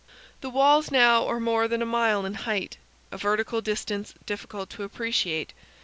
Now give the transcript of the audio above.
The walls now are more than a mile in height a vertical distance difficult to appreciate.